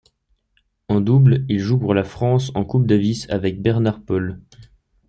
En double, il joue pour la France en Coupe Davis avec Bernard Paul.